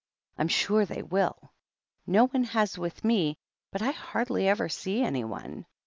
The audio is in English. Tm sure they will ! No one has with me, but I hardly ever see anyone.